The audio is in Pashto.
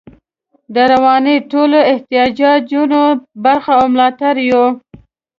د روانو ټولو احتجاجونو برخه او ملاتړ یو.